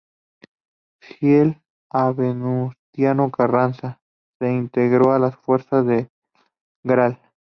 Fiel a Venustiano Carranza, se integró a las fuerzas del Gral.